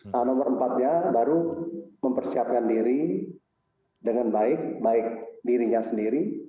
nah nomor empatnya baru mempersiapkan diri dengan baik baik dirinya sendiri